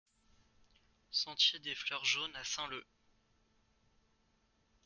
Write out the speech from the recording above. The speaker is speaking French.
Sentier des Fleurs Jaunes à Saint-Leu